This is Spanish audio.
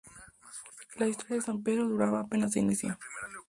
La historia de San Pedro de Urabá apenas se inicia.